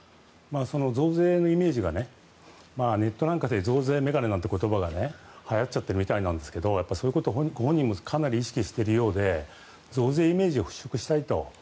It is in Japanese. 増税のイメージがネットなんかで増税メガネという言葉がはやってしまっているみたいですがそういったことを本人がかなり意識しているようで増税イメージを払拭したいと。